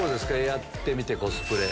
やってみてコスプレ。